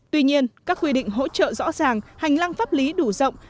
tuy nhiên các quy định hỗ trợ rõ ràng hành lang pháp lý đủ rộng